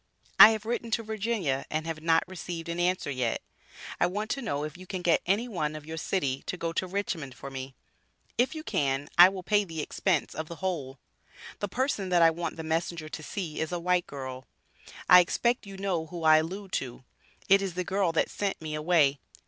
I have written to Virginia and have not received an answer yet. I want to know if you can get any one of your city to go to Richmond for me. If you can, I will pay the expense of the whole. The person that I want the messenger to see is a white girl. I expect you know who I allude to, it is the girl that sent me away.